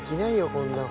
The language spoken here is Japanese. こんなの。